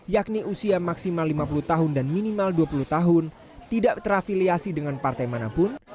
yakni usia maksimal lima puluh tahun dan minimal dua puluh tahun tidak terafiliasi dengan partai manapun